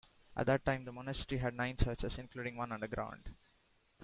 At that time the monastery had nine churches, including one underground.